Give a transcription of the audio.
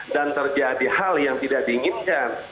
dan terjadi hal yang tidak diinginkan